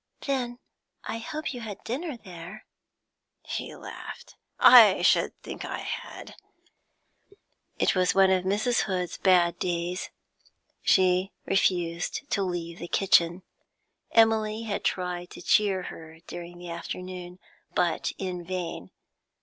'Then I hope you had dinner there?' He laughed. 'I should think I had!' It was one of Mrs. Hood's bad days; she refused to leave the kitchen. Emily had tried to cheer her during the afternoon, but in vain.